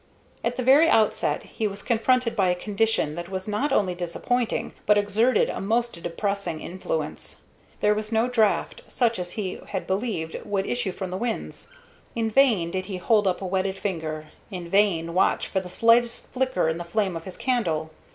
At the very outset he was confronted by a condition that was not only disappointing, but exerted a most depressing influence. There was no draught, such as he had believed would issue from the winze. In vain did he hold up a wetted finger, in vain watch for the slightest flicker in the flame of his candle.